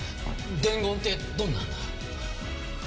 伝言ってどんな？